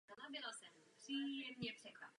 Vlastní ostrov je protáhlý ze západu na východ.